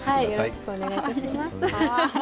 よろしくお願いします。